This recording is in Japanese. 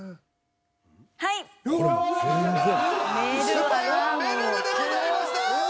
スパイはめるるでございました！